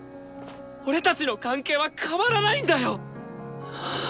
俺たちの関係は変わらないんだよ！